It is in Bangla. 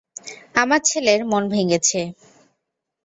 আমার ছেলের মন ভেঙেছে।